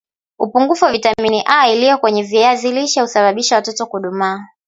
upungufu wa vitamini A iliyo kwenye viazi lishe huasababisha watoto hudumaa